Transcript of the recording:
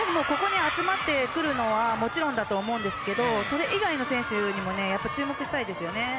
ここに集まってくるのはもちろんだと思うんですがそれ以外の選手にも注目したいですよね。